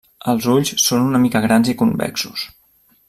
Els ulls són una mica grans i convexos.